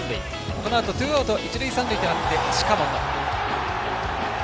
このあとツーアウト一塁三塁となって近本。